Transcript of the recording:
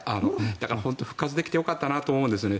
だから、本当に復活できてよかったなと思うんですね。